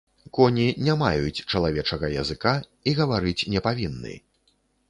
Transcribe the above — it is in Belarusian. Коні не маюць чалавечага языка і гаварыць не павінны!